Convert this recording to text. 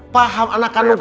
paham anak kamu gak